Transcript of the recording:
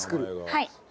はい。